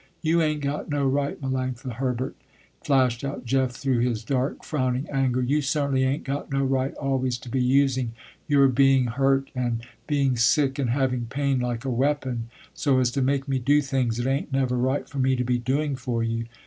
"You ain't got no right Melanctha Herbert," flashed out Jeff through his dark, frowning anger, "you certainly ain't got no right always to be using your being hurt and being sick, and having pain, like a weapon, so as to make me do things it ain't never right for me to be doing for you.